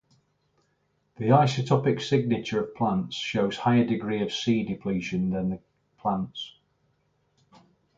The isotopic signature of plants shows higher degree of C depletion than the plants.